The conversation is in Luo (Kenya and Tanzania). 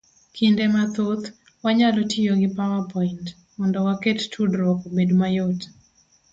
Kinde mathoth wanyalo tiyo gi power point, mondo waket tudruok obed mayot.